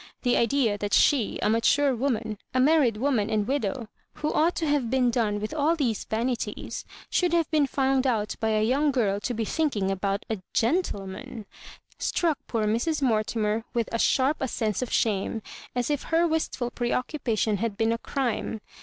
The idea that she, a ma ture woman, a married woman and widow, who ought to have been done with all these vanites, should have been found out by a young girl to be thinking about a gentleman, struck poor Mrs. Mortimer with as sharp a sense of shame as if her wistful preoccupation had been a crime.